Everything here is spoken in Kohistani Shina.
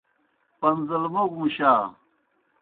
پݩزلموگوْ مُشا۔